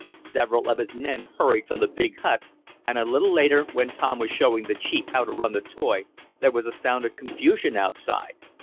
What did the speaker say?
Several of his men hurried from the big hut, and a little later, when Tom was showing the chief how to run the toy, there was a sound of confusion outside.